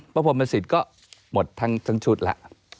พระพรมพระสิทธิ์ก็หมดทั้งชุดละ